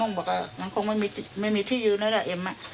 น้องบอกว่ามันคงไม่มีที่ยืนเลยแหละเอ็มอ่ะ